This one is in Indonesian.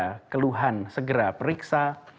ada keluhan segera periksa